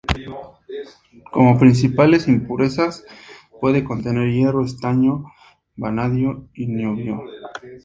Como principales impurezas puede contener hierro, estaño, vanadio y niobio.